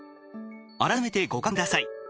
改めてご確認ください。